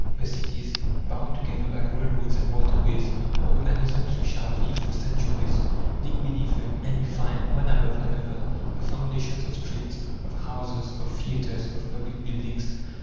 The cities, bound together by railroads and waterways, are organisms which have lived through centuries. Dig beneath them and you find, one above another, the foundations of streets, of houses, of theatres, of public buildings.